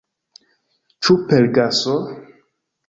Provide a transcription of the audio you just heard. Ĉu per gaso?